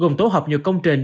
gồm tổ hợp nhiều công trình